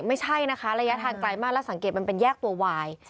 ไม่ใช่นะคะระยะทางไกลมากแล้วสังเกตมันเป็นแยกตัววาย